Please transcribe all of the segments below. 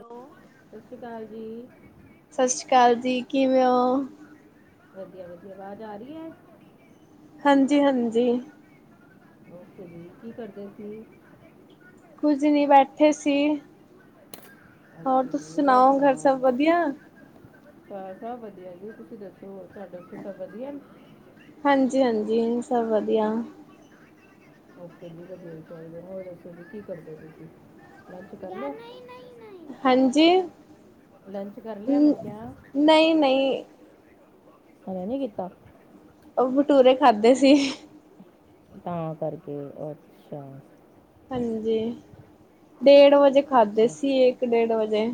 Hello ਸਤਿ ਸ਼੍ਰੀ ਅਕਾਲ ਜੀ ਸਸ ਸ੍ਰੀ ਕਾਲ ਜੀ, ਕਿਵੇਂ ਹੋ? ਵਧੀਆ-ਵਧੀਆ ਵਾਜ਼ ਆ ਰਹੀ ਏ। ਹਾਂਜੀ-ਹਾਂਜੀ ਓਕੇ ਜੀ, ਕੀ ਕਰਦੇ ਸੀ। ਕੁੱਝ ਨੀ ਬੈਠੇ ਸੀ। ਹੋਰ ਤੁਸੀ ਸੁਣਾਓ ਘਰ ਸਭ ਵਧੀਆ। ਘਰ ਸਭ ਵਧੀਆ ਜੀ ਤੁਸੀਂ ਦੱਸੋ ਹੋਰ ਤੁਹਾਡੇ ਉੱਥੇ ਸਭ ਵਧੀਆ ਨੇ। ਹਾਂਜੀ-ਹਾਂਜੀ ਸਭ ਵਧੀਆ। ਓਕੇ ਜੀ ਵਧੀਆ ਹੀ ਚਾਹੀਦਾ ਹੋਰ ਦੱਸੋ ਕੀ ਕਰਦੇ ਪਏ ਸੀ। ਲੰਚ ਕਰ ਲਿਆ, ਹਾਂਜੀ ਲੰਚ ਕਰ ਲਿਆ ਮੈਂ ਕਿਹਾ। ਨਈ-ਨਈ ਹਜੇ ਨੀ ਕੀਤਾ। ਉਹ ਪਟੂਰੇ ਖਾਧੇ ਸੀ। ਤਾਂ ਕਰਕੇ ਅੱਛਾ। ਹਾਂਜੀ ਡੇਢ ਵਜੇ ਖਾਧਦੇ ਅੱਛਾ ਸੀ, ਇੱਕ ਡੇਢ ਵਜੇ।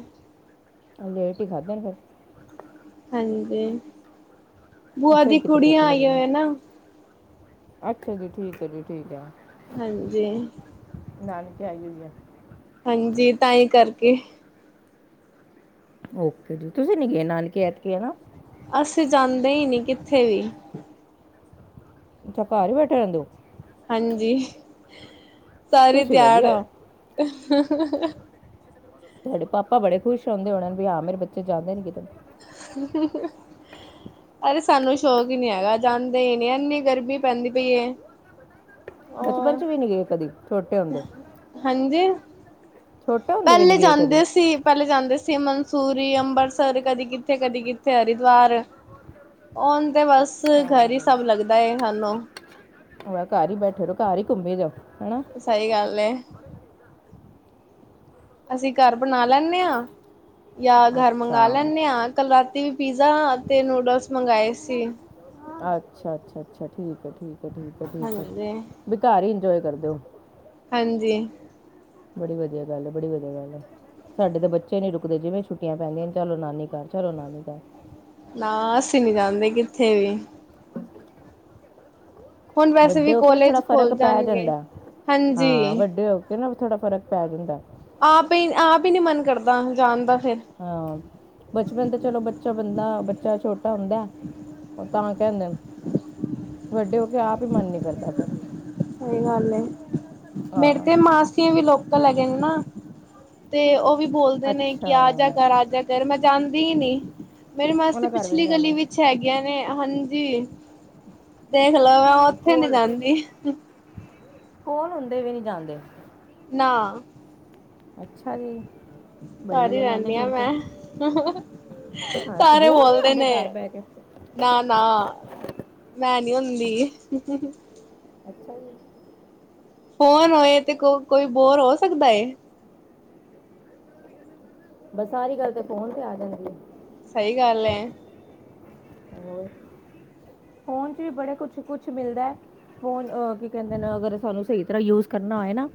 ਲੇਟ ਹੀ ਖਾਧੇ ਨੇ ਫੇਰ। ਹਾਂਜੀ, ਬੂਆ ਦੀ ਫਿਰ ਕਿਤੇ ਭੁੱਖ ਕੁੜੀਆ ਆਈਆ ਲੱਗਣੀ ਹੋਈ ਨਾ। ਅੱਛਾ ਜੀ ਠੀਕ ਹੈ ਜੀ, ਠੀਕ ਹੈ। ਹਾਂਜੀ ਨਾਨਕੇ ਆਈ ਹੋਈ ਆ ਹਾਂਜੀ, ਤਾਹੀ ਕਰਕੇ। ਓਕੇ ਜੀ, ਤੁਸੀਂ ਨੀ ਗਏ ਨਾਨਕੇ ਐਤਕੀ ਹਨਾ। ਅਸੀਂ ਜਾਂਦੇ ਹੀ ਨੀ ਕਿੱਥੇ ਵੀ। ਅੱਛਾ ਘਰ ਹੀ ਬੈਠੇ ਰਹਿੰਦੇ ਓ। ਹਾਂਜੀ, ਸਾਰੀ ਤੁਸੀਂ ਤਿਆੜ ਵਧੀਆ ਤੁਹਾਡੇ ਪਾਪਾ ਬੜੇ ਖੁਸ਼ ਹੌਦੇ ਹੋਨੇ ਵੀ ਹਾਂ ਮੇਰੇ ਬੱਚੇ ਜਾਂਦੇ ਨੇ ਕਿਤੇ। [unintelligible] ਅਰੇ ਸਾਨੂੰ ਸ਼ੌਕ ਹੀ ਨੀ ਹੈਗਾਜਾਂਦੇ ਹੀ ਨੀ ਇੰਨੀ ਗਰਮੀ ਪੈਂਦੀ ਪਈ ਏ। ਬਚਪਨ ਔਰ ਚ ਵੀ ਨੀ ਗਏ ਕਦੇ ਛੋਟੇ ਹੁੰਦੇ। ਹਾਂਜੀ ਛੋਟੇ ਹੁੰਦੇ ਵੀ ਪਹਿਲੇ ਨਹੀਂ ਗਏ ਕਦੀ ਜਾਂਦੇ ਸੀ। ਪਹਿਲੇ ਜਾਂਦੇ ਸੀ ਮਨਸੂਰੀ, ਅੰਬਰਸਰ ਕਦੀ ਕਿੱਥੇ-ਕਦੀ ਕਿੱਥੇ ਹਰਿਦੁਆਰ। ਉਨ ਤੇ ਬਸ ਅੱਛਾ ਘਰ ਹੀ ਸਭ ਲੱਗਦਾ ਏ ਸਾਨੂੰ। ਹੁਨ ਘਰ ਹੀ ਬੈਠੇ ਰਹੋ, ਘਰ ਹੀ ਘੁੰਮੇ ਜਾਓ ਹੈਣਾ। ਸਹੀ ਗੱਲ ਏ। ਅਸੀਂ ਘਰ ਬਣਾ ਲੈਂਨੇ ਹਾਂ, ਜਾਂ ਘਰ ਮੰਗਵਾ ਅੱਛਾ ਲੈਂਨੇ ਹਾਂ। ਕੱਲ ਰਾਤੀ ਵੀ ਪੀਜ਼ਾ, ਅਤੇ ਨੂਡਲਸ ਮੰਗਵਾਏ ਸੀ। ਅੱਛਾ -ਅੱਛਾ -ਅੱਛਾ। ਠੀਕ -ਠੀਕ- ਠੀਕ- ਠੀਕ ਹਾਂਜੀ ਬੲਈ ਘਰ ਹੀ ਇੰਜੋਏ ਕਰਦੇ ਹੋ। ਹਾਂਜੀ। ਬੜੀ ਵਧੀਆ ਗੱਲ ਏ, ਬੜੀ ਵਧੀਆ ਗੱਲ ਏ। ਸਾਡੇ ਤਾਂ ਬੱਚੇ ਨੀ ਰੁਕਦੇ, ਜਿਵੇਂ ਛੁੱਟੀਆਂ ਪੈਂਦੀਆਂ ਚਲੋ ਨਾਨੀ ਘਰ, ਚਲੋ ਨਾਨੀ ਘਰ। ਨਾ, ਅਸੀਂ ਨੀ ਜਾਂਦੇ ਕਿੱਥੇ ਵੀ। ਹੁਣ ਵੈਸੇ ਵੀ ਵੱਡੇ ਹੋ ਕੇ ਨਾ ਥੋੜਾ ਕੋਲੇਜ ਫ਼ਰਕ ਖੁੱਲ ਪੈ ਜਾਣਗੇ ਜਾਂਦਾ, ਹਾਂ ਹਾਂਜੀ। ਵੱਡੇ ਹੋ ਕੇ ਨਾ ਥੋੜਾ ਫ਼ਰਕ ਪੈ ਜਾਂਦਾ। ਆਪ ਹੀ, ਆਪ ਹੀ ਨੀ ਮਨ ਕਰਦਾ ਹੁਨ ਜਾਣ ਦਾ ਫੇਰ। ਹਾਂ। ਬਚਪਨ ਤੇ ਚਲੋ ਬੱਚਾ ਬੰਦਾ ਬੱਚਾ ਛੋਟਾ ਹੁੰਦਾ। ਉਹ ਤਾਂ ਕਹਿੰਦੇ, ਵੱਡੇ ਹੋ ਕੇ ਆਪ ਹੀ ਮਨ ਨੀ ਕਰਦਾ ਫਿਰ। ਸਹੀ ਗੱਲ, ਏ ਮੇਰੇ ਹਾਂ ਤੇ ਮਾਸੀਆਂ ਵੀ ਲੋਕਲ ਹੈਗੇ ਨੇ ਨਾ। ਤੇ ਉਹ ਵੀ ਬੋਲਦੇ ਨੇ ਕਿ ਅੱਛਾ ਆ ਜਾ ਕਰ, ਆ ਜਾ ਕਰ, ਮੈਂ ਜਾਂਦੀ ਹੀ ਨੀ। ਮੇਰੀ ਮਾਸੀ ਉਹਨਾਂ ਘਰ ਵੀ ਨਹੀਂ ਪਿਛਲੀ ਗਲੀ ਵਿੱਚ ਜਾਂਦਾ ਹੈਗੀਆਂ ਨੇ, ਹਾਂਜੀ। ਦੇਖ ਲੋ ਮੈਂ ਉੱਥੇ ਨੀ ਕੋਲ ਜਾਂਦੀ। ਇੱਕ ਕੋਲ ਹੁੰਦੇ ਵੀ ਨਹੀਂ ਜਾਂਦੇ। ਨਾ ਅੱਛਾ ਜੀ। ਬੜੀ ਕਰ ਹੀ ਵਧੀਆ ਗੱਲ ਹੈ ਰਹਿੰਦੀ ਹਾ ਫਿਰ ਤੇ ਮੈਂ, ਹਾਂ ਸਾਰੇ ਬੋਰ ਨਹੀਂ ਬੋਲਦੇ ਹੁੰਦੇ ਨੇ। ਘਰ ਬੈ ਕੇ ਨਾ- ਨਾ, ਮੈਂ ਨੀ ਹੁੰਦੀ। ਅੱਛਾ ਜੀ। ਫੋਨ ਹੋਏ ਤੇ, ਕੋ- ਕੋਈ ਬੋਰ ਹੋ ਸਕਦਾ। ਬਸ ਸਾਰੀ ਗੱਲ ਤੇ ਫੋਨ ਤੇ ਆ ਜਾਂਦੀ ਆ। ਸਹੀ ਗੱਲ ਏ। ਹੋਰ, ਫ਼ੋਨ 'ਚ ਵੀ ਬੜਾ ਕੁਛ- ਕੁਛ ਮਿਲਦਾ ਹੈ। ਫ਼ੋਨ ਅਹ ਕੀ ਕਹਿੰਦੇ ਨੇ ਅਗਰ ਸਾਨੂੰ ਸਹੀ ਤਰ੍ਹਾਂ ਯੂਜ ਕਰਨਾ ਆਏ ਨਾ।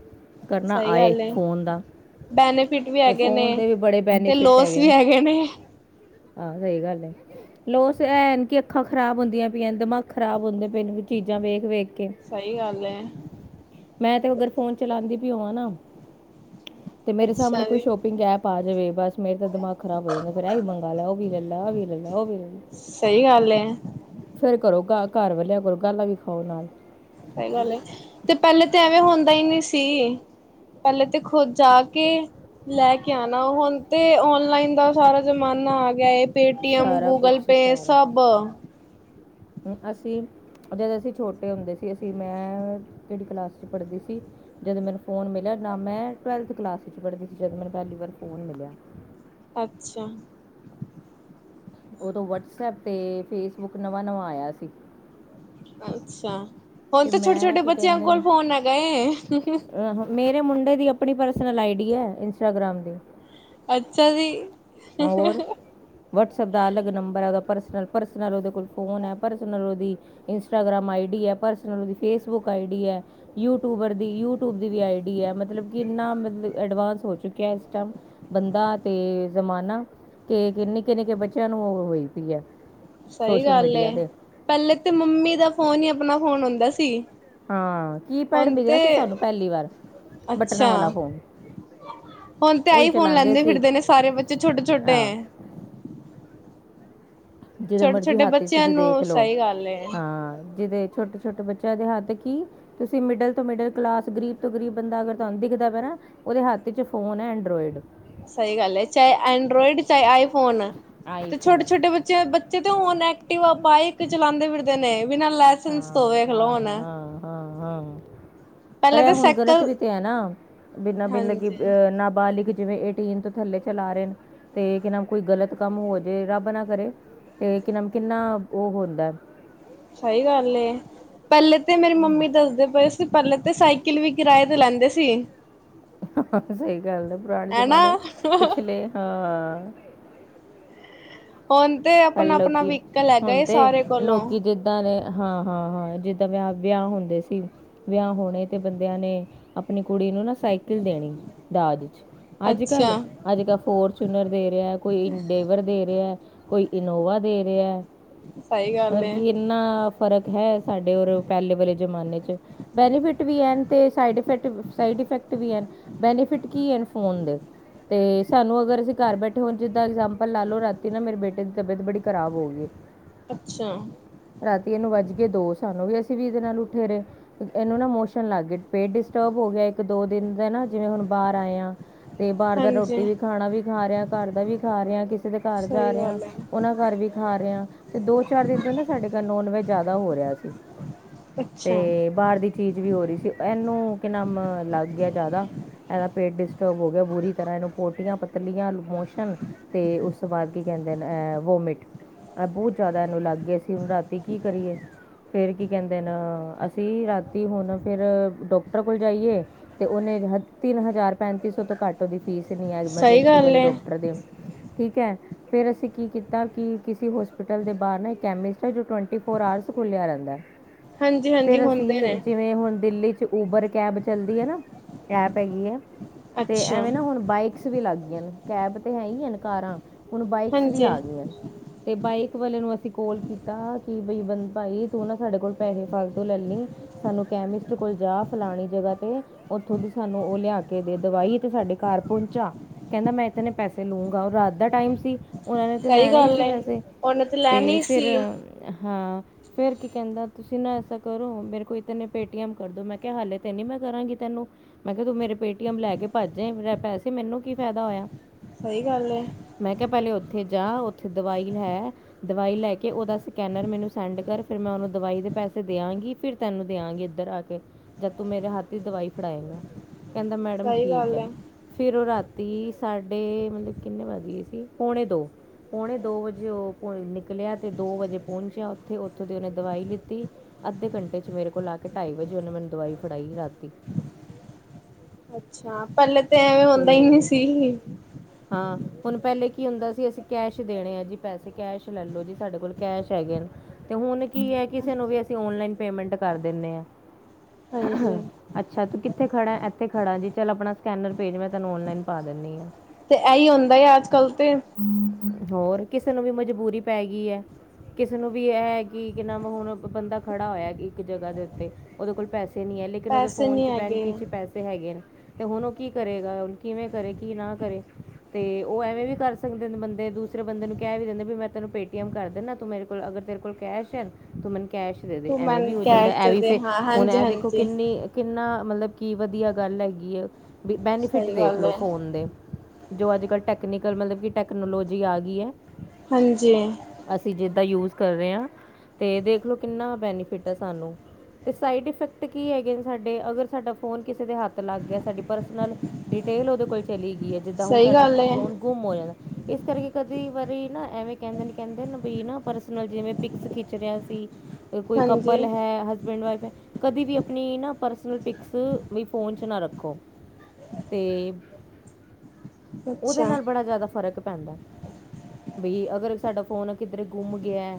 ਕਰਨਾ ਸਹੀ ਆਏ, ਗੱਲ ਏ ਫ਼ੋਨ ਦਾ। ਬੈਨੀਫਿਟ ਵੀ ਤੇ ਹੈਗੇ ਫ਼ੋਨ ਨੇ ਦੇ ਵੀ ਬੜੇ ਤੇ ਬੈਨੀਫਿਟ ਲੋਸ ਹੈਗੇ ਵੀ ਨੇ। ਹਾਂ। ਸਹੀ ਗੱਲ ਹੈ। ਲੈ ਐਨ ਕਿ ਅੱਖਾਂ ਖ਼ਰਾਬ ਹੁੰਦੀਆਂ ਪਈਆਂ ਨੇ, ਦਿਮਾਗ਼ ਖਰਾਬ ਹੁੰਦੇ ਪਏ ਨੇ, ਚੀਜ਼ਾਂ ਵੇਖ- ਵੇਖ। ਕੇ ਸਹੀ ਗੱਲ ਹੈ। ਮੈਂ ਤੇ ਅਗਰ ਫ਼ੋਨ ਚਲਾਉਂਦੀ ਵੀ ਹੋਵਾਂ ਨਾ। ਤੇ ਮੇਰੇ ਸਾਹਮਣੇ ਅੱਛਾ ਕੋਈ ਜੀ ਸ਼ੋਪਿੰਗ ਐਪ ਆ ਜਾਵੇ ਬਸ ਮੇਰੇ ਤਾਂ ਦਿਮਾਗ ਖ਼ਰਾਬ ਹੋ ਜਾਂਦਾ ਫੇਰ ਇਹੀ ਮੰਗਾ ਲੈ, ਉਹ ਵੀ ਲੈ ਲਾ, ਇਹ ਵੀ ਲੈ ਲਾ। ਔਹੀ ਲੈ ਲਾ। ਸਹੀ ਗੱਲ ਹੈ। ਫੇਰ ਘਰੋਂ ਗ ਘਰ ਵਾਲਿਆਂ ਕੋਲ਼ ਗਾਲਾਂ ਵੀ ਖਾਓ ਨਾਲ਼। ਸਹੀ ਗੱਲ ਹੈ। ਤੇ ਪਹਿਲੇ ਤੇ ਐਵੇਂ ਹੁੰਦਾ ਹੀ ਨਹੀਂ ਸੀ। ਪਹਿਲੇ ਤੇ ਖ਼ੁਦ ਜਾ ਕੇ ਲੈ ਕੇ ਆਉਣਾ। ਹੁਣ ਤੇ ਓਨਲਾਈਨ ਦਾ ਸਾਰਾ ਜ਼ਮਾਨਾ ਆ ਗਿਆ ਏ। ਪੇਟੀਐਮ, ਸਾਰਾ ਕੁਝ ਗੂਗਲ ਪੇ, ਸਭ। ਹੂੰ ਅਸੀਂ ਜਦੋਂ ਅਸੀਂ ਛੋਟੇ ਹੁੰਦੇ ਸੀ ਅਸੀਂ ਮੈਂ ਕਿਹੜੀ ਕਲਾਸ 'ਚ ਪੜ੍ਹਦੀ ਸੀ। ਜਦੋਂ ਮੈਨੂੰ ਫੋਨ ਮਿਲਿਆ ਤਾ ਮੈਂ ਟਵੈਲਵ ਕਲਾਸ ਵਿੱਚ ਪੜ੍ਹਦੀ ਸੀ, ਜਦੋਂ ਮੈਨੂੰ ਪਹਿਲੀ ਵਾਰ ਫ਼ੋਨ ਮਿਲਿਆ। ਅੱਛਾ। ਓਦੋਂ ਵਟਸਐਪ ਤੇ ਫੇਸਬੁਕ ਨਵਾਂ -ਨਵਾਂ ਆਇਆ ਸੀ। ਅੱਛਾ! ਹੁਣ ਤੇ ਤਾਂ ਛੋਟੇ ਮੈਂ -ਛੋਟੇ ਕੀ ਬੱਚੇਆਂ ਕੋਲ ਫ਼ੋਨ ਹੈਗਾ ਏ, ਹੁ ਅ, ਮੇਰੇ ਮੁੰਡੇ ਦੀ ਆਪਣੀ ਪਰਸਨਲ ਆਈ ਡੀ ਐ, ਇੰਸਟਾਗ੍ਰਾਮ ਦੀ। ਅੱਛਾ ਜੀ। ਹੋਰ। ਵਟਸਐਪ ਦਾ ਅਲੱਗ ਨੰਬਰ ਐ ਓਹਦਾ ਪਰਸਨਲ- ਪਰਸਨਲ ਉਹਦੇ ਕੋਲ ਫ਼ੋਨ ਐ, ਪਰਸਨਲ ਓਹਦੀ, ਇੰਸਟਾਗ੍ਰਾਮ ਆਈ ਡੀ ਹੈ, ਪਰਸਨਲ ਫੇਸਬੁੱਕ ਆਈ ਡੀ ਹੈ। ਯੂਟਿਊਬਰ ਦੀ ਯੂਟਿਊਬ ਦੀ ਵੀ ਆਈਡੀ ਹੈ, ਮਤਲਬ ਕਿ ਇੰਨਾ ਮਤਲਬ ਐਡਵਾਂਸ ਹੋ ਚੁੱਕਿਆ ਇਸ ਟਾਈਮ। ਬੰਦਾ ਤੇ ਜ਼ਮਾਨਾ ਤੇ ਨਿੱਕੇ -ਨਿੱਕੇ ਬੱਚਿਆਂ ਨੂੰ ਉਹ ਹੋਈ ਪਈ ਹੈ। ਸਹੀ ਸੋਸ਼ਲ ਗੱਲ ਹੈ! ਮੀਡੀਆ ਤੇ ਪਹਿਲੇ ਤੇ ਮੰਮੀ ਦਾ ਫ਼ੋਨ ਹੀ ਆਪਣਾ ਫ਼ੋਨ ਹੁੰਦਾ ਸੀ। ਹਾਂ! ਕੀਪੈਡ ਹੁਣ ਮਿਲਿਆ ਤੇ ਸੀ ਸਾਨੂੰ ਪਹਿਲੀ ਵਾਰ ਬਟਨਾਂ ਅੱਛਾ ਵਾਲਾ ਫ਼ੋਨ। ਹੁਣ ਤੇ ਆਈ ਫ਼ੋਨ ਲੈਂਦੇ ਫਿਰਦੇ ਨੇ ਸਾਰੇ ਬੱਚੇ ਛੋਟੇ -ਛੋਟੇ। ਆ ਜਿਹਦੇ ਮਰਜ਼ੀ ਛੋਟੇ-ਛੋਟੇ ਹੱਥ 'ਚ ਬੱਚਿਆਂ ਤੁਸੀਂ ਨੂੰ ਦੇਖਲਓ ਸਹੀ ਗੱਲ ਏ। ਹਾਂ, ਜਿਹਦੇ ਛੋਟੇ ਛੋਟੇ ਬੱਚਿਆਂ ਦੇ ਹੱਥ ਕਿ? ਤੁਸੀਂ ਮਿਡਲ ਤੋਂ ਮਿਡਲ ਕਲਾਸ ਗਰੀਬ ਤੋਂ ਗ਼ਰੀਬ ਬੰਦਾ ਅਗਰ ਤੁਹਾਨੂੰ ਦਿਖਦਾ ਪਇਆ ਨਾ। ਉਹਦੇ ਹੱਥ 'ਚ ਫ਼ੋਨ ਹੈ ਐਂਡਰਾਇਡ। ਸਹੀ ਗੱਲ ਹੈ! ਚਾਹੇ ਐਂਡਰਾਇਡ, ਚਾਹੇ ਆਈਫੋਨ ਤੇ ਛੋਟੇ ਆਈਫੋਨ ਛੋਟੇ ਬੱਚੇ ਬੱਚੇ ਤੇ ਹੁਣ ਐਕਟਿਵਾ, ਬਾਈਕ। ਚਲਾਉਂਦੇ ਫਿਰਦੇ ਨੇ ਬਿਨਾਂ ਹਾਂ ਲਾਇਸੈਂਸ ਤੋਂ ਦੇਖ ਲਓ ਹਾਂ ਹੁਣ। ਹਾਂ ਹਾਂ ਹਾਂ ਪਰ ਪਹਿਲਾਂ ਇਹ ਤਾਂ ਹੁਣ ਗ਼ਲਤ ਸਾਈਕਲ ਵੀ ਤੇ ਹੈ ਨਾ ਬਿਨਾਂ ਮਤਲਬ ਕਿ ਹਾਂਜੀ ਅਹ ਨਾਬਾਲਿਗ ਜਿਵੇਂ। ਏਟੀਐਨ ਤੋਂ ਥੱਲੇ ਚਲਾ ਰਹੇ ਤੇ ਕਿ ਨਾ ਕੋਈ ਗਲਤ ਕੰਮ ਹੋ ਜੇ, ਰੱਬ ਨਾ ਕਰੇ। ਤੇ ਕਿ ਨਾਮ ਕਿੰਨਾ ਉਹ ਹੁੰਦਾ ਹੈ। ਸਹੀ ਗੱਲ ਏ ਪਹਿਲੇ ਤੇ ਮੇਰੀ ਮੰਮੀ ਦੱਸਦੇ ਪਏ ਸੀ। ਪਹਿਲੇ ਤੇ ਸਾਈਕਲ ਵੀ ਕਿਰਾਏ ਤੇ ਲੈਂਦੇ ਸੀ। ਸਹੀ ਗੱਲ ਹੈ! ਪੁਰਾਣੇ ਹੈਨਾ ਜ਼ਮਾਨੇ ਪਿਛਲੇ ਹਾਂ ਹੁਣ ਤੇ। ਇਹ ਆਪਣਾ-ਆਪਣਾ ਲੋਕੀਂ, ਵਹੀਕਲ ਹੈਗਾ ਹੁਣ ਏ ਤੇ ਸਾਰੇ ਕੋਲੋਂ ਲੋਕੀਂ ਜੇ। ਜਿਦਾਂ ਦੇ ਹਾਂ, ਹਾਂ, ਹਾਂ, ਜਿੱਦਾਂ ਵਿਆਹ ਵਿਆਹ ਹੁੰਦੇ ਸੀ। ਵਿਆਹ ਹੋਣੇ ਤੇ ਬੰਦਿਆਂ ਨੇ ਆਪਣੀ ਕੁੜੀ ਨੂੰ ਨਾ ਸਾਈਕਲ ਦੇਣੀ ਦਾਜ 'ਚ। ਅੱਜ- ਕੱਲ੍ਹ, ਅੱਛਾ। ਅੱਜ- ਕੱਲ੍ਹ ਫੋਰਚੂਨਰ ਦੇ ਰਿਹਾ, ਕੋਈ ਇੰਡੇਵਰ ਦੇ ਰਿਹਾ ਹੈ। ਕੋਈ ਇਨੋਵਾ ਦੇ ਰਿਹਾ ਸਹੀ ਗੱਲ ਮਤਲਬ ਏ ਕਿ ਇਹ ਇੰਨਾ ਫ਼ਰਕ ਹੈ, ਸਾਡੇ ਔਰ ਪਹਿਲੇ ਵਾਲੇ ਜ਼ਮਾਨੇ 'ਚ ਬੈਨਿਫਿਟ ਵੀ ਹਨ ਅਤੇ ਸਾਈਡ ਇਫੈਕ, ਸਾਈਡ ਇਫੈਕਟ ਵੀ ਹਨ ਬੈਨੀਫਿਟ ਕੀ ਹਨ ਫੋਨ ਦੇ? ਤੇ ਸਾਨੂੰ ਅਗਰ ਅਸੀਂ ਘਰ ਬੈਠੇ ਹੋੁਣ ਜਿੱਦਾਂ ਇਗਜਾਮਪਲ ਲਾ ਲੋ ਰਾਤੀ ਨਾ ਮੇਰੇ ਬੇਟੇ ਦੀ ਤਬੀਅਤ ਬੜੀ ਖਰਾਬ ਹੋ ਗਈ। ਅੱਛਾ। ਰਾਤੀ ਇਹਨੂੰ ਵੱਜ ਗਏ ਦੋ ਸਾਨੂੰ ਵੀ ਅਸੀਂ ਵੀ ਇਹਦੇ ਨਾਲ ਉੱਠੇ ਰਹੇ। ਇਹਨੂੰ ਨਾ ਮੋਸ਼ਨ ਲੱਗ ਗਏ ਪੇਟ ਡਿਸਟਰਬ ਹੋ ਗਿਆ ਇੱਕ ਦੋ ਦਿਨ ਦਾ ਨਾ ਜਿਵੇਂ ਹੁਣ ਬਾਹਰ ਆਏ ਆ। ਤੇ ਬਾਹਰ ਦਾ ਹਾਂਜੀ ਰੋਟੀ ਵੀ ਖਾਣਾ ਵੀ ਖਾ ਰਿਹਾ ਘਰ ਦਾ ਵੀ ਖਾ ਰਿਹਾ ਕਿਸੇ ਦੇ ਘਰ ਜਾ ਸਹੀ ਰਿਹਾ। ਗੱਲ ਹੈ ਉਹਨਾਂ ਘਰ ਵੀ ਖਾ ਰਿਹਾ ਤੇ ਦੋ ਚਾਰ ਦਿਨ ਤੋਂ ਨਾ ਸਾਡੇ ਘਰ ਨੋਨ -ਵੈਜ ਜ਼ਿਆਦਾ ਹੋ ਰਿਹਾ ਸੀ। ਤੇ ਅੱਛਾ ਬਾਹਰ ਦੀ ਚੀਜ਼ ਵੀ ਹੋ ਰਹੀ ਸੀ, ਇਹਨੂੰ ਕਿ ਨਾਮ ਲੱਗ ਗਿਆ ਜ਼ਿਆਦਾ। ਇਹਦਾ ਪੇਟ ਡਿਸਟਰਬ ਹੋ ਗਿਆ ਬੁਰੀ ਤਰ੍ਹਾਂ ਇਹਨੂੰ ਪੋਟੀਆਂ ਪਤਲੀਆਂ ਮੋਸ਼ਨ। ਤੇ ਉਸ ਤੋਂ ਬਾਅਦ ਕੀ ਕਹਿੰਦੇ ਨੇ ਅਹ ਵੋਮਿਟ। ਆ ਬਹੁਤ ਜ਼ਿਆਦਾ ਇਹਨੂੰ ਲੱਗ ਗਿਆ ਸੀ ਹੁਣ ਰਾਤੀ ਕੀ ਕਰੀਏ? ਫੇਰ ਕੀ ਕਹਿੰਦੇ ਨ ਅਸੀਂ ਰਾਤੀ ਹੁਣ ਫਿਰ ਡਾਕਟਰ ਕੋਲ ਜਾਈਏ ਤੇ ਉਹਨੇ ਦੇ ਹਨ ਤਿੰਨ ਹਜ਼ਾਰ- ਪੈਂਤੀ ਸੌ ਤੋਂ ਘੱਟ ਕੈਦੀ ਫੀਸ ਐਨੀ ਐ ਸਹੀ ਐਮਰਜੰਸੀ ਗੱਲ ਵਾਲੇ ਹੈ ਡਾਕਟਰ ਦੇ, ਠੀਕ ਹੈ ਫੇਰ ਅਸੀਂ ਕੀ ਕੀਤਾ ਕੀ ਹੋਸਪਿਟਲ ਦੇ ਬਾਹਰ ਨਾ ਕੈਮਿਸਟ ਐ ਟੁਵਟੀ ਫੋਰ ਆਰਸ ਖੁਲਿਆ ਰਹਿੰਦਾ ਐ। ਹਾਂਜੀ ਹਾਂਜੀ ਫਿਰ ਹੁੰਦੇ ਅਸੀਂ ਨੇ ਜਿਵੇਂ ਹੁਣ ਦਿੱਲੀ ਚ ਉਬਰ ਕੈਬ ਚੱਲਦੀ ਐ ਨਾ ਕੈਪ ਹੈਗੀ ਐ, ਤੇ ਅੱਛਾ ਐਵੇਂ ਨਾ ਹੁਣ ਬਾਈਕਸ ਵੀ ਲੱਗ ਗਈ ਹਨ ਕੈਬ ਤੇ ਹੈ ਹੀ ਹਨ ਕਾਰਾਂ, ਹੁਣ ਬਾਈਕਸ ਵੀ ਹਾਂਜੀ ਆ ਗਈਆਂ ਅਨ। ਤੇ ਬਾਈਕ ਵਾਲੇ ਨੂੰ ਅਸੀਂ ਕੋਲ ਕੀਤਾ ਕਿ ਬੀ ਬੰ ਭਾਈ ਤੂੰ ਨਾ ਸਾਡੇ ਕੋਲ ਪੈਸੇ ਫਾਲਤੂ ਲੈ ਲੇ ਸਾਨੂੰ ਕੈਮਿਸਟ ਕੋਲ ਜਾ ਫਲਾਣੀ ਜਗ੍ਹਾ ਤੋ ਉੱਥੋਂ ਦੀ ਸਾਨੂੰ ਉਹ ਲਿਆ ਕੇ ਦੇ ਦਵਾਈ ਤੇ ਸਾਡੇ ਘਰ ਪਹੁੰਚਾ। ਕਹਿੰਦਾ ਮੈਂ ਈਤਨੇ ਪੈਸੇ ਲੂਗਾ ਰਾਤ ਦਾ ਟਾਈਮ ਸੀ। ਉਨਾਂ ਨੇ ਤੇ ਸਹੀ ਲੈਣਾ ਈ ਗੱਲ ਸੀ ਏ ਪੈਸੇ, ਉਹਨੇ ਤੇ ਲੈਣੀ ਫਿਰ ਸੀ ਹਾਂ। ਫੇਰ ਕੀ ਕਹਿੰਦਾ ਤੁਸੀਂ ਨਾ ਐਸਾ ਕਰੋ ਮੇਰੇ ਕੋਈ ਤੈਨ ਪੇਟੀਐਮ ਕਰਦੋ ਮੈਂ ਕਿਹਾ ਹਾਲੇ ਤੇ ਨੀ ਮੈਂ ਕਰਾਂਗੀ ਤੈਨੂੰ ਮੈਂ ਕਿਹਾ ਤੂੰ ਮੇਰੇ ਪੇਟੀਐਮ ਲੈ ਕੇ ਭੱਜੇ ਪੈਸੇ ਮੈਨੂੰ ਕੀ ਫਾਇਦਾ ਹੋਇਆ। ਸਹੀ ਗੱਲ ਏ। ਮੈਂ ਕਿਹਾ ਪਹਿਲੇ ਉੱਥੇ ਜਾ ਉੱਥੇ ਦਵਾਈ ਲੈ ਦਵਾਈ ਲੈ ਕੇ ਉਦਾ ਸਕੈਨਰ ਮੈਨੂੰ ਸੈਂਡ ਕਰ ਫਿਰ ਮੈਂ ਉਹਨੂੰ ਦਵਾਈ ਦੇ ਪੈਸੇ ਦਿਆਂਗੀ। ਫਿਰ ਤੈਨੂੰ ਦਿਆਂਗੀ ਇੱਧਰ ਆ ਕੇ, ਜਦ ਤੂੰ ਮੇਰੇ ਹੱਥ ਦੀ ਦਵਾਈ ਫੜਾਏਂਗਾ। ਕਹਿੰਦਾ ਮੈਡਮ ਸਹੀ ਠੀਕ ਗੱਲ ਐ। ਏ ਫਿਰ ਉਹ ਰਾਤੀ ਸਾਡੇ ਮਤਲਬ ਕਿੰਨੇ ਵੱਜ ਗੇ ਸੀ ਪੌਣੇ ਦੋ ਪੌਣੇ ਦੋ ਵਜੇ ਉਹ ਘਰੋ ਨਿਕਲਿਆ ਤੇ ਦੋ ਵਜੇ ਪਹੁੰਚਿਆ ਉੱਥੇ -ਉੱਥੋਂ ਦੀ ਉਹਨੇ ਦਵਾਈ ਲਿੱਤੀ ਅੱਧੇ ਘੰਟੇ ਚ ਮੇਰੇ ਕੋਲ ਆ ਕੇ ਢਾਈ ਵਜੇ ਉਹਨੇ ਮੈਨੂੰ ਦਵਾਈ ਫੜਾਈ ਰਾਤੀ। ਅੱਛਾ ਪਹਿਲੇ ਤੇ ਐਵੇਂ ਅਤੇ ਹੁੰਦਾ ਈ ਨੀ ਸੀ। ਹਾਂ, ਹੁਣ ਪਹਿਲੇ ਕੀ ਹੁੰਦਾ ਸੀ ਅਸੀਂ ਕੈਸ਼ ਦੇਣੇ ਆ ਜੀ ਪੈਸੇ ਕੈਸ਼ ਲੈ ਲਓ ਜੀ ਸਾਡੇ ਕੋਲ ਕੈਸ਼ ਹੈਗੇ ਨੇ ਤੇ ਹੁਣ ਕੀ ਹੈ ਕਿਸੇ ਨੂੰ ਵੀ ਅਸੀਂ ਓਨਲਾਈਨ ਪੇਮੈਂਟ ਕਰ ਦਿੰਦੇ ਆ। ਹਾਂਜੀ ਅੱਛਾ ਤੂੰ ਕਿੱਥੇ ਖੜਾ ਇੱਥੇ ਖੜਾ ਜੀ ਚੱਲ ਆਪਣਾ ਸਕੈਨਰ ਭੇਜ ਮੈਂ ਤੈਨੂੰ ਔਨਲਾਈਨ ਪਾ ਦਿੰਦੀ ਆ। ਤੇ ਆਹੀ ਹੁੰਦਾ ਹੈ ਅੱਜ ਕੱਲ੍ਹ ਤੇ। ਹੂੰ ਹੋਰ ਕਿਸੇ ਨੂੰ ਵੀ ਮਜਬੂਰੀ ਪੈ ਗਈ ਐ। ਕਿਸੇ ਨੂੰ ਵੀ ਇਹ ਹੈ ਕੀ ਕਿਨਾ ਹੁਣ ਬੰਦਾ ਖੜਾ ਹੋਇਆ ਇੱਕ ਜਗ੍ਹਾ ਦੇ ਉੱਤੇ ਉਹਦੇ ਕੋਲ ਪੈਸੇ ਨੀ ਐ, ਲੇਕਿਨ ਉਹਦੇ ਪੈਸੇ ਫੋਨ ਨਹੀਂ ਚ ਹੈਗੇ ਬੈਂਕ ਚ ਪੈਸੇ ਹੈਗੇ ਨ ਤੇ ਹੁਣ ਉਹ ਕੀ ਕਰੇਗਾ ਕਿਵੇਂ ਕਰੇ ਕੀ ਨਾ ਕਰੇ, ਤੇ ਉਹ ਐਵੇਂ ਵੀ ਕਰ ਸਕਦੇ ਨੇ ਬੰਦੇ ਤੇ ਦੂਸਰੇ ਬੰਦੇ ਨੂੰ ਕਹਿ ਵੀ ਦਿੰਦੇ ਵੀ ਮੈਂ ਤੈਨੂੰ ਪੇਟੀਐਮ ਕਰ ਦਿੰਦਾ ਤੂੰ ਮੇਰੇ ਕੋਲ ਅਗਰ ਤੇਰੇ ਕੋਲ ਕੈਸ਼ ਹੈ ਤੂੰ ਮੈਨੂੰ ਕੈਸ਼ ਤੂੰ ਐਵੇਂ ਮੈਨੂੰ ਵੀ ਹੋ ਜਾਂਦਾ ਕੈਸ਼ ਇਹ ਦੇ ਵੀ ਦੇ ਫੇਰ, ਹਾਂ ਹੁਣ ਹਾਂਜੀ ਇਹ ਦੇਖੋ ਹਾਂਜੀ ਕਿੰਨੇ- ਕਿੰਨਾ ਮਤਲਬ ਕੀ ਵਧੀਆ ਗੱਲ ਹੈਗੀ ਐ, ਬੀ ਬੈਨੀਫਿਟ ਸਹੀ ਦੇਖ ਗੱਲ ਲੋ ਹੈ ਫੋਨ ਦੇ। ਜੋ ਅੱਜ ਕੱਲ੍ਹ ਟੈਕਨੀਕਲ ਮਤਲਬ ਕਿ ਟੈਕਨੋਲੋਜੀ ਆ ਗਈ ਐ। ਹਾਂਜੀ ਅਸੀਂ ਜਿੱਦਾਂ ਯੂਜ ਕਰ ਰਹੇ ਹਾਂ, ਤੇ ਦੇਖਲੋ ਕਿੰਨਾ ਬੈਨੀਫਿਟ ਹੈ ਸਾਨੂੰ। ਤੇ ਸਾਈਡ ਇਫੈਕਟ ਕੀ ਹੈਗੇ ਸਾਡੇ ਅਗਰ ਸਾਡਾ ਫੋਨ ਕਿਸੇ ਦੇ ਹੱਥ ਲੱਗ ਗਿਆ, ਸਾਡੀ ਪਰਸਨਲ ਡਿਟੇਲ ਉਹਦੇ ਕੋਲ ਚਲੀ ਗਈ ਐ। ਸਹੀ ਗੱਲ ਐ। ਗੁਮ ਹੋਏ। ਇਸ ਕਰਕੇ ਕਦੇ ਵਾਰੀ ਨਾ ਐਵੇਂ ਕਹਿੰਦੇ ਨ -ਕਹਿੰਦੇ ਨ ਬੀ ਨਾ ਪਰਸਨਲ ਜਿਵੇਂ ਪਿਕਸ ਖਿੱਚ ਰਿਹਾ ਸੀ। ਕੋਈ ਹਾਂਜੀ ਕੱਪਲ ਹੈ, ਹਸਬੈਂਡ ਵਾਈਫ ਹੈ। ਕਦੀ ਵੀ ਅਪਨੀ ਨਾ ਪਰਸਨਲ ਪਿਕਸ, ਵੀ, ਫੋਨ 'ਚ ਨਾ ਰੱਖੋ। ਤੇ, ਉਦੇ ਅੱਛਾ ਨਾਲ, ਬੜਾ ਜਾਦਾ ਫ਼ਰਕ ਪੈਂਦਾ। ਬਈ, ਅਗਰ ਸਾਡਾ ਫੋਨ, ਕਿੱਧਰੇ ਗੁੰਮ ਗੇਆ।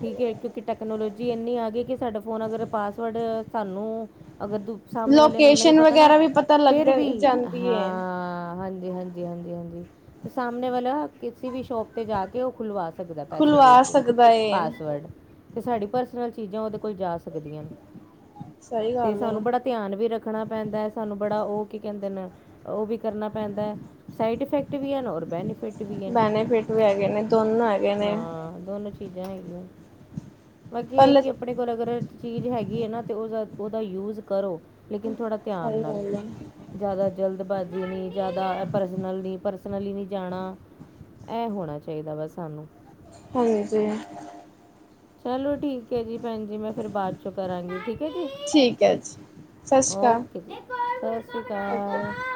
ਠੀਕ ਐ, ਕਿਉਂਕਿ ਟੈਕਨੋਲਜੀ ਇੰਨੀ ਆ ਗਈ, ਕਿ ਸਾਡਾ ਫੋਨ ਅਗਰ ਪਾਸਵਰਡ ਸਾਨੂੰ ਅਗਰ ਦ ਸਾਮਣੇ ਵਾਲੇ ਨੂੰ ਨਈਂ ਲੋਕੇਸ਼ਨ ਪਤਾ ਨਾ, ਵਗੈਰਾ ਵੀ ਪਤਾ ਲੱਗ ਫੇਰ ਵੀ, ਜਾਂਦੀ ਏ। ਹਾਂ ਹਾਂਜੀ- ਹਾਂਜੀ। ਹਾਂਜੀ- ਹਾਂਜੀ ਤੇ, ਸਾਹਮਣੇ ਵਾਲਾ, ਕਿਸੀ ਵੀ ਸ਼ੋਪ ਤੇ ਜਾ ਕੇ ਓ ਖੁਲਵਾ ਸਕਦਾ, ਪੈਸੇ ਦੇ ਖੁਲਵਾ ਕੇ, ਸਕਦਾ ਏ। ਪਾਸਵਰਡ ਤੇ, ਸਾਡੀ ਪਰਸਨਲ ਚੀਜਾਂ, ਓਦੇ ਕੋਲ ਜਾ ਸਕਦੀਆਂ ਨ ਸਹੀ ਤੇ ਗੱਲ ਏ ਸਾਨੂੰ ਬੜਾ ਧਿਆਨ ਵੀ ਰੱਖਣਾ ਪੈਂਦਾ, ਸਾਨੂੰ ਬੜਾ ਓ ਕੀ ਕੈੰਦੇ ਨ, ਓ ਵੀ ਕਰਨਾ ਪੈਂਦਾ। ਸਾਈਡ ਫੈਕਟ ਵੀ, ਅ, ਨ ਅ, ਔਰ ਬੈਨੀਫਿਟ ਵੀ ਹਨ ਬੈਨੇਫਿਟ ਵੀ ਹੈਗੇ ਨੇ, ਦੋਨ ਹੈਗੇ ਨੇ ਹਾਂ, ਦੋਨੋ ਚੀਜਾਂ ਹੈਗੀਆਂ, ਬਾਕੀ ਏਹ ਐ ਪਹਿਲੇ ਕਿ ਆਪਣੇ ਅਗਰ ਚੀਜ ਹੈਗੀ ਐ ਨਾ, ਤੇ ਉਸਦਾ, ਉਹਦਾ ਯੂਜ ਕਰੋ, ਲੇਕਿਨ ਥੋੜ੍ਹਾ। ਧਿਆਨ ਸਹੀ ਨਾਲ, ਗੱਲ ਏ ਜਾਦਾ ਜਲਦਬਾਜੀ ਨੀ, ਜਾਦਾ ਪਰਸਨਲ ਨੀ, ਪਰਸਨਲੀ ਵੀ ਜਾਣਾ, ਐ ਹੋਣਾ ਚਾਈਦਾ ਵਾ ਸਾਨੂੰ। ਹਾਂਜੀ। ਚਲੋ ਠੀਕ ਐ ਜੀ, ਭੈਣ ਜੀ ਮੈਂ ਫੇਰ ਬਾਦ ਚੋਂ ਕਰਾਂਗੀ ਠੀਕ ਠੀਕ ਹੈ ਜੀ ਸਤਿ ਸ਼੍ਰੀ ਅਕਾਲ ਓਕੇ ਜੀ, ਸਤਿ ਸ਼੍ਰੀ ਓਕੇ। ਕਾਲ।